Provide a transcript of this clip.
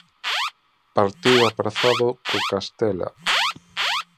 Partido aprazado co Castela.